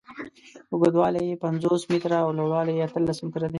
اوږدوالی یې پنځوس متره او لوړوالی یې اتلس متره دی.